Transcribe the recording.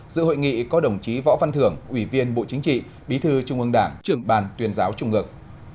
giữa hội nghị có đồng chí võ văn thưởng ủy viên bộ chính trị bí thư trung ương đảng trường ban tuyên giáo trung ương